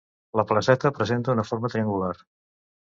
La placeta presenta una forma triangular.